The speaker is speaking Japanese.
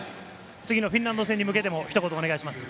次のフィンランド戦に向けてひと言、お願いします。